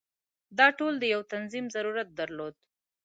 دا ټول د یو تنظیم ضرورت درلود.